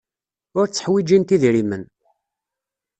Ur tteḥwijint idrimen.